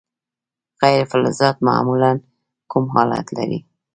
غیر فلزات معمولا کوم حالت لري.